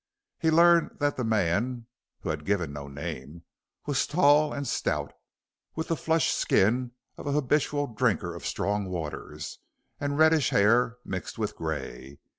He learned that the man (who had given no name) was tall and stout, with the flushed skin of a habitual drinker of strong waters, and reddish hair mixed with grey.